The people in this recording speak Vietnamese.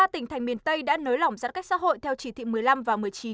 ba tỉnh thành miền tây đã nới lỏng giãn cách xã hội theo chỉ thị một mươi năm và một mươi chín